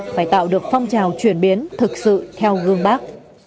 phải tạo được phong trào chuyển biến thực sự theo gương bác